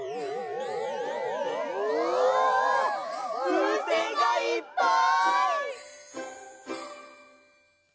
ふうせんがいっぱい！